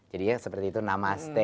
jadi seperti itu namaste